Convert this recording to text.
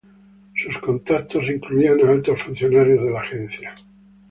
Sus contactos incluían a altos funcionarios de la agencia.